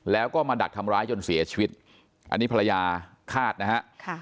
แล้วก็มาดักทำร้ายจนเสียชีวิตอันนี้ภรรยาคาดนะฮะ